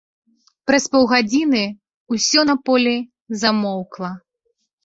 Праз паўгадзіны ўсё на полі замоўкла.